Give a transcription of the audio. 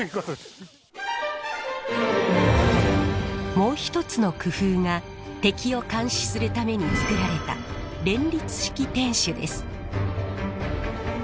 もう一つの工夫が敵を監視するために造られた連立式天守です。